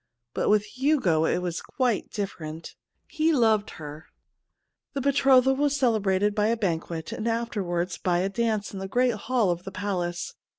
But with Hugo it was quite different — he loved her. The betrothal was celebrated by a banquetj and afterwards by a dance in the great hall of the palace.